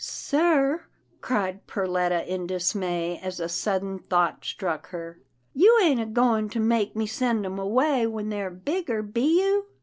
" Sir," cried Perletta in dismay, as a sudden thought struck her, " you ain't a goin' to make me send 'em away when they're bigger, be you?